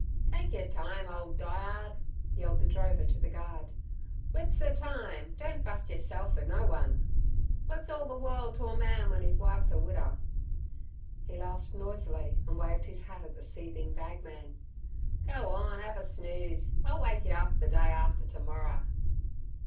"Take yer time, ole die 'ard," yelled the drover to the guard. "Whips er time don't bust yerself fer no one. Wot's orl the worl' to a man w'en his wife's a widder." He laughed noisily and waved his hat at the seething bag man. "Go an' 'ave a snooze. I'll wake yer up ther day after termorrer."